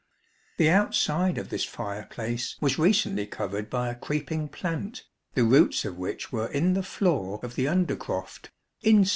The outside of this fireplace was recently covered by a creeping plant, the roots of which were in the floor of the undercroft inside.